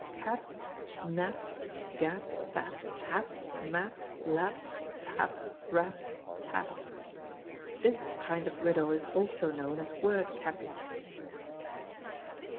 Cap, Nap, Gap, Sap, Hap, Map, Lap, Pap, Rap, Tap. This kind of riddle is also known as word capping.